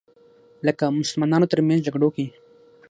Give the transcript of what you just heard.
لکه مسلمانانو تر منځ جګړو کې